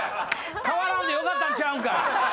換わらんでよかったんちゃうんか